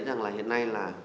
rằng là hiện nay là